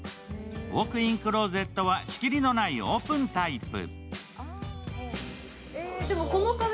ウォークインクローゼットは仕切りのないオープンタイプ。